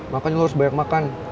makan lo harus banyak makan